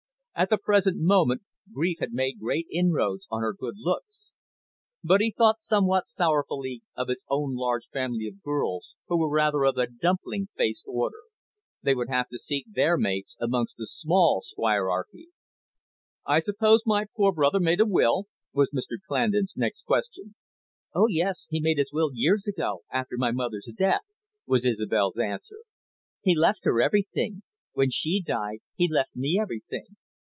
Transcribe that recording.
At the present moment, grief had made great inroads on her good looks. But he thought somewhat sorrowfully of his own large family of girls, who were rather of the dumpling faced order. They would have to seek their mates amongst the small squirearchy. "I suppose my poor brother made a will?" was Mr Clandon's next question. "Oh, yes, he made his will years ago, after my mother's death," was Isobel's answer. "He left her everything. When she died, he left me everything."